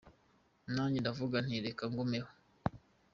Nanjye ndavuga nti reka ngumeho”.